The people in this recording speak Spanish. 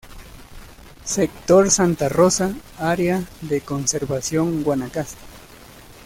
Sector Santa Rosa, Área de Conservación Guanacaste|